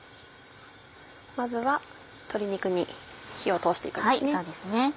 まずは鶏肉に火を通して行くんですね。